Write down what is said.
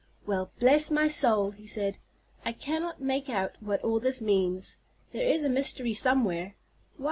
"Well, bless my soul!" he said; "I cannot make out what all this means. There is a mystery somewhere.